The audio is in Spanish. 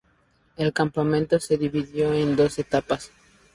El campeonato se dividió en dos etapas.